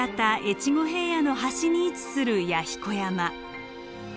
越後平野の端に位置する弥彦山。